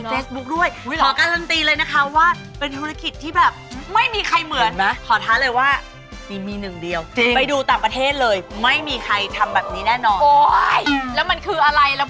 เพื่อให้คุณได้เป็นสุดยอดแม่บ้านตัวจริง